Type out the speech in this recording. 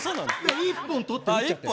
１本取って。